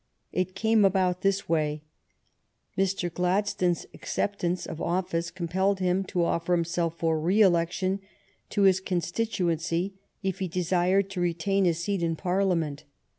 It came about in this way: Mr. Glad stone's acceptance of office compelled him to offer himself for re election to his constituency if he desired to retain his seat in Parliament.